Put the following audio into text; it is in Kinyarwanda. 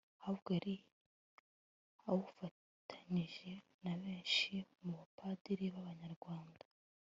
ahubwo yari awufatanije na benshi mu ba padiri b'abanyarwanda